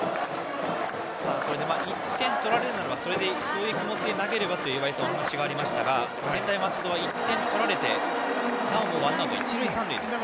１点取られたならそういう気持ちで投げればというお話でしたが専大松戸は１点取られてなおもワンアウト一塁三塁ですね。